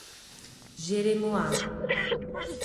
Jeremoabo